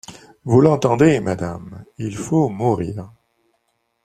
Vous l’entendez, madame, il faut mourir !